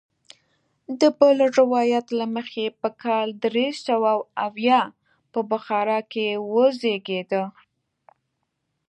د بل روایت له مخې په کال درې سوه اویا په بخارا کې وزیږېد.